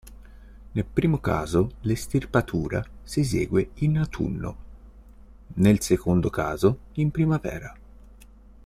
Nel primo caso l'estirpatura si esegue in autunno, nel secondo caso in primavera.